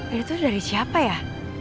itu dari siapa ya